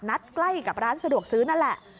ใกล้กับร้านสะดวกซื้อนั่นแหละ